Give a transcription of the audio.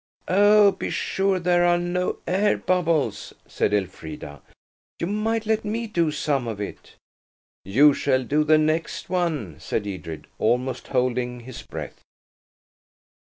"Oh, be sure there are no air bubbles!" said Elfrida; "you might let me do some of it." "You shall do the next one," said Edred, almost holding his breath.